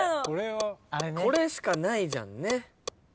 これしかないじゃんね。